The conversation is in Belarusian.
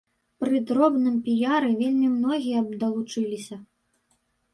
Пры добрым піяры вельмі многія б далучыліся.